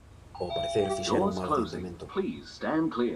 Ao parecer fixera un mal adiantamento.